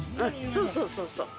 そうそうそうそう。